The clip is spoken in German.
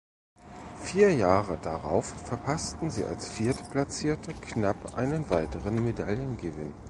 Vier Jahre darauf verpassten sie als Viertplatzierte knapp einen weiteren Medaillengewinn.